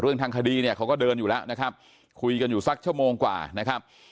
ทางคดีเนี่ยเขาก็เดินอยู่แล้วนะครับคุยกันอยู่สักชั่วโมงกว่านะครับ